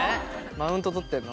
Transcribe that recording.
マウントとってんの。